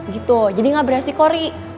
gitu jadi gak beresiko ri